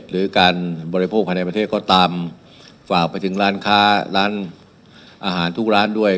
หรือการบริโภคภายในประเทศก็ตามฝากไปถึงร้านค้าร้านอาหารทุกร้านด้วย